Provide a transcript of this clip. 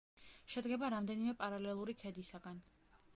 შედგება რამდენიმე პარალელური ქედისაგან.